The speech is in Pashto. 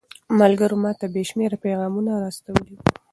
ملګرو ماته بې شمېره پيغامونه را استولي وو.